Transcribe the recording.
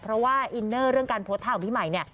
เพราะว่าอินเนอร์เรื่องการโพสต์ท่าของพี่ใหม่เนี่ย